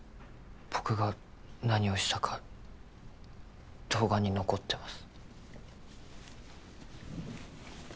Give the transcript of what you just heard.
僕が何をしたか動画に残ってます